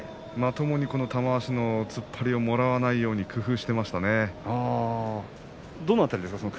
まともに玉鷲の突っ張りをもらわないようにどの辺りですか？